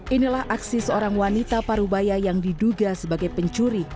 inilah aksi seorang wanita parubaya yang diduga sebagai pencuri